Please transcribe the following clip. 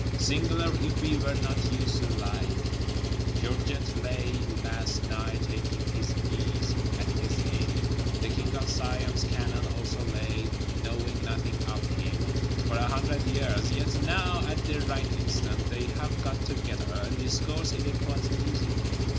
Singular (if we were not used to the like). Georget lay, last night, taking his ease at his inn; the King of Siam's cannon also lay, knowing nothing of him, for a hundred years; yet now, at the right instant, they have got together, and discourse eloquent music.